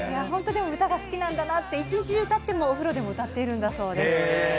本当、歌が好きなんだなって、一日中歌っても、お風呂でも歌っているんだそうです。